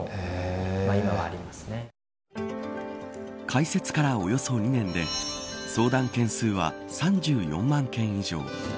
開設からおよそ２年で相談件数は３４万件以上。